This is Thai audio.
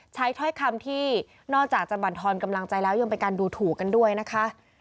ถ้อยคำที่นอกจากจะบรรทอนกำลังใจแล้วยังเป็นการดูถูกกันด้วยนะคะ